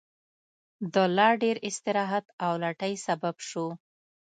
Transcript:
د لا ډېر استراحت او لټۍ سبب شو.